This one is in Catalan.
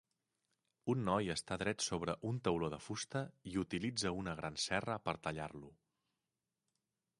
Un noi està dret sobre un tauló de fusta i utilitza una gran serra per tallar-lo.